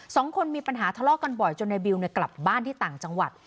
สองคนมีปัญหาทะเลาะกันบ่อยจนในบิวกลับบ้านที่ต่างจังหวัด